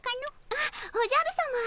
あっおじゃるさま。